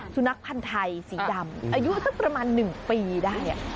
สุนัขพันธ์ไทยสีดำอายุสักประมาณ๑ปีได้